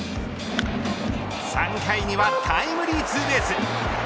３回にはタイムリーツーベース。